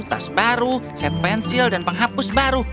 tas baru set pensil dan penghapus baru